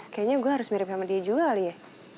kayaknya gue harus mirip sama dia juga kali ya